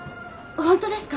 本当ですか？